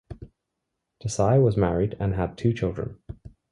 Desai was married and had two children.